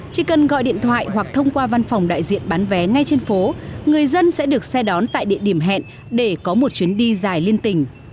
chỉ cần gọi điện thoại hoặc thông qua văn phòng đại diện bán vé ngay trên phố người dân sẽ được xe đón tại địa điểm hẹn để có một chuyến đi dài liên tình